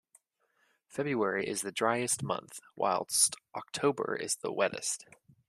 February is the driest month, whilst October is the wettest.